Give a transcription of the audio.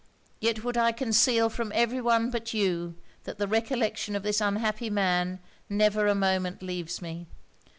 Yet would I conceal from every one but you that the recollection of this unhappy man never a moment leaves me.